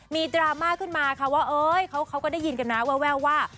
ดราม่าขึ้นมาค่ะว่าเขาก็ได้ยินกันนะแววว่า